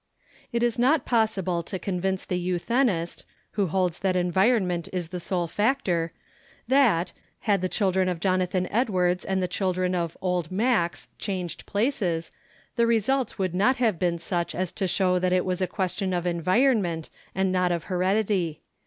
It is not possible to convince the euthenist (who holds that environment is the sole factor) that, had the children of Jonathan Edwards and the children of "Old Max" changed places, the results would not have been such as to show that it was a question of environment and not of heredity.